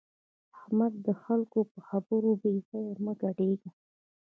احمده! د خلګو په خبرو بې ځایه مه ګډېږه.